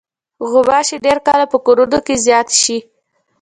غوماشې ډېر کله په کورونو کې زیاتې شي.